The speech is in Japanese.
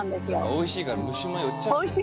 おいしいから虫も寄っちゃうんだよ。